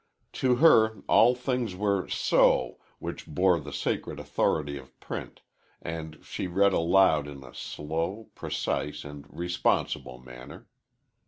To her all things were "so" which bore the sacred authority of print, and she read aloud in a slow, precise, and responsible manner.